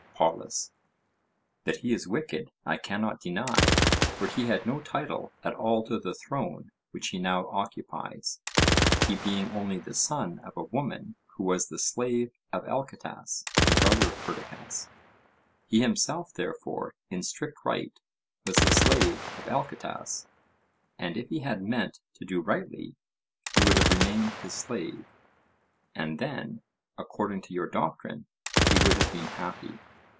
POLUS: That he is wicked I cannot deny; for he had no title at all to the throne which he now occupies, he being only the son of a woman who was the slave of Alcetas the brother of Perdiccas; he himself therefore in strict right was the slave of Alcetas; and if he had meant to do rightly he would have remained his slave, and then, according to your doctrine, he would have been happy.